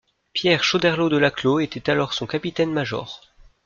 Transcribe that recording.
Pierre Choderlos de Laclos était alors son capitaine-major.